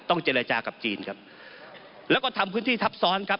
เจรจากับจีนครับแล้วก็ทำพื้นที่ทับซ้อนครับ